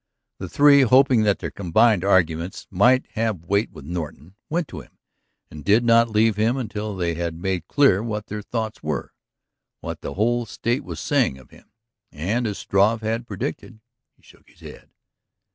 The three, hoping that their combined arguments might have weight with Norton, went to him and did not leave him until they had made clear what their thoughts were, what the whole State was saying of him. And, as Struve had predicted, he shook his head.